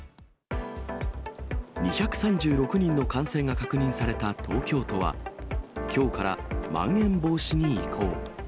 ２３６人の感染が確認された東京都は、きょうからまん延防止に移行。